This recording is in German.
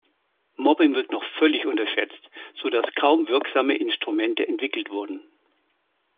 Mobbing wird noch völlig unterschätzt, so dass kaum wirksame Instrumente entwickelt wurden.